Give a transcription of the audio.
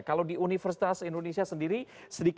kalau di universitas indonesia sendiri